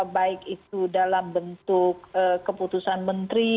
baik itu dalam bentuk keputusan menteri